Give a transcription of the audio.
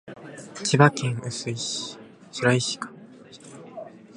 千葉県白井市